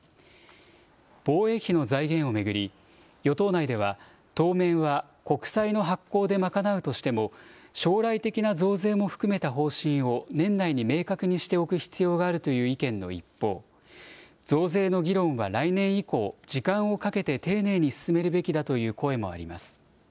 防衛費の財源を巡り、与党内では、当面は国債の発行で賄うとしても、将来的な増税も含めた方針を年内に明確にしておく必要があるという意見の一方、増税の議論は来年以降、時間をかけて丁寧に進めるべきだという声もあります。